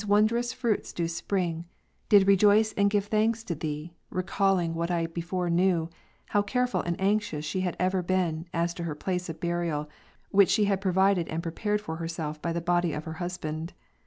wondrous fruits do spring, did rejoice and give thanks to —'—'— Thee, recalling M^hat I before knew, how careful and anxious she had ever been, as to her place of burial, which she had provided and prepared for herself by the body of her hus band.